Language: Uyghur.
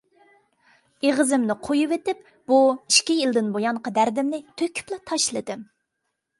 ئېغىزىمنى قويۇۋېتىپ بۇ ئىككى يىلدىن بۇيانقى دەردىمنى تۆكۈپلا تاشلىدىم.